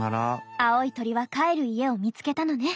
青い鳥は帰る家を見つけたのね。